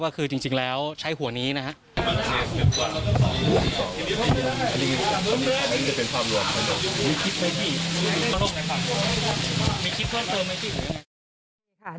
ก็คือจริงแล้วใช้หัวนี้นะครับ